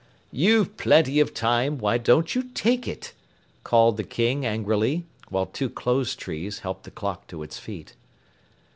"You've plenty of time; why don't you take it?" called the King angrily, while two clothes trees helped the clock to its feet.